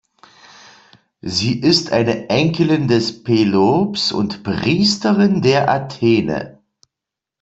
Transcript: Sie ist eine Enkelin des Pelops und Priesterin der Athene.